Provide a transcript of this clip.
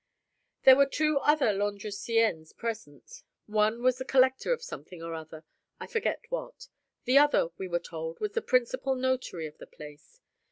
There were two other Landrecienses present. One was the collector of something or other, I forget what; the other, we were told, was the principal notary of the place.